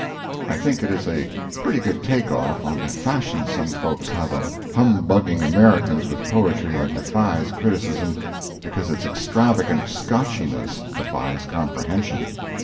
I think it is a pretty good take off on the fashion some folks have of humbugging Americans with poetry that defies criticism because its extravagant Scotchiness defies comprehension.